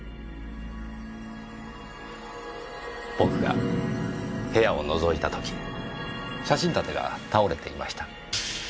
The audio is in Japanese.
僕が部屋を覗いた時写真立てが倒れていました。